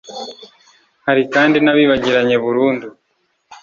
Hari kandi n’abibagiranye burundu,